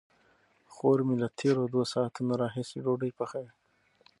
خور مې له تېرو دوو ساعتونو راهیسې ډوډۍ پخوي.